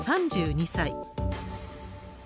３２歳。